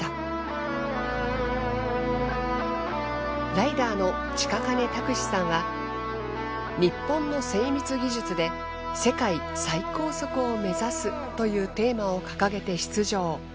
ライダーの近兼拓史さんは日本の精密技術で世界最高速を目指すというテーマを掲げて出場。